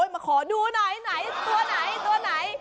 มาขอดูไหนไหนตัวไหน